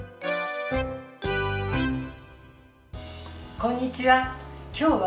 こんにちは。